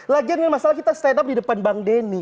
lagian ini masalah kita stand up di depan bang denny